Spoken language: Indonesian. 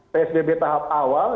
psbb tahap awal